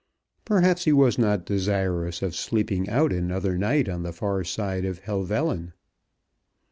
Perhaps he was not desirous of sleeping out another night on the far side of Helvellyn.